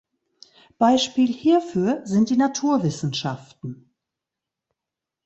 Beispiel hierfür sind die Naturwissenschaften.